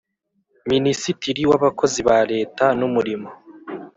Minisitiri w Abakozi ba Leta n Umurimo